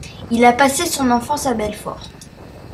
Il a passé son enfance à Belfort.